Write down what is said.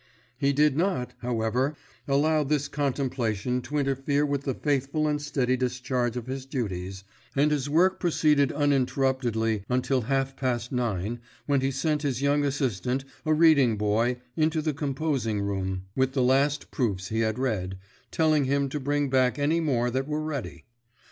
He did not, however, allow this contemplation to interfere with the faithful and steady discharge of his duties, and his work proceeded uninterruptedly until half past nine, when he sent his young assistant, a reading boy, into the composing room with the last proofs he had read, telling him to bring back any more that were ready.